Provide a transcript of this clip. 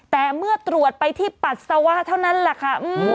แต่เมื่อตรวจไปที่ปัสสาวะเท่านั้นแหละค่ะ